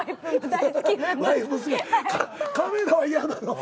カメラは嫌なの？